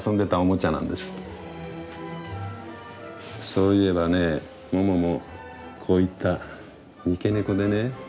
そういえばねモモもこういった三毛猫でね。